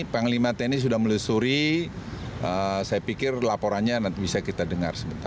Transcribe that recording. panglima tni sudah melusuri saya pikir laporannya nanti bisa kita dengar sebentar